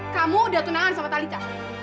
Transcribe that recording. kamu udah tunangan sama talita